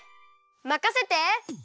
まかせて！